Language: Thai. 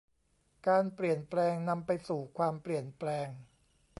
การเปลี่ยนแปลงนำไปสู่ความเปลี่ยนแปลง